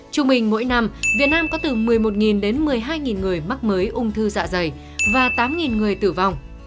trung bình mỗi năm việt nam có từ một mươi một đến một mươi hai người mắc mới ung thư dạ dày và tám người tử vong